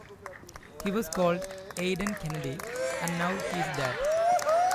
He was called Aiden Kennedy, and now he is dead.